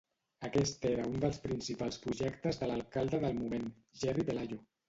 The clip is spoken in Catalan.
Aquest era un dels principals projectes de l'alcalde del moment, Jerry Pelayo.